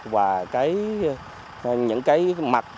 và những cái mặt